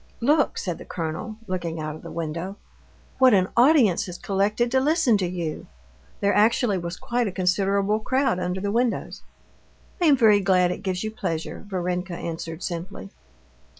"Look," said the colonel, looking out of the window, "what an audience has collected to listen to you." There actually was quite a considerable crowd under the windows. "I am very glad it gives you pleasure," Varenka answered simply.